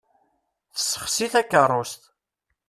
Tessexsi takerrust.